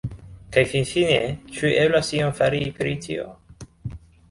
Kaj finfine, ĉu eblas ion fari pri tio?